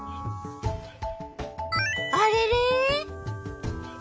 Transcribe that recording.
あれれ？